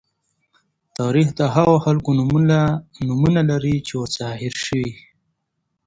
تاریخ د هغو خلکو نومونه لري چې ورڅخه هېر شوي.